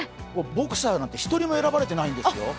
ボクサーなんて一人も選ばれていないんですよ。